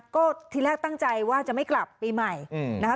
ก็ทีแรกตั้งใจว่าจะไม่กลับปีใหม่นะคะ